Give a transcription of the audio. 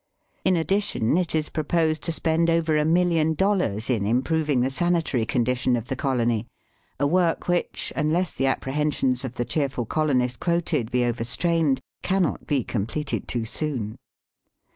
In addition, it is proposed to spend over a million dollars in improving the sanitary condition of the colony ^a work which, unless the apprehensions of the cheerful colonist quoted be overstrained, cannot be completed too soon.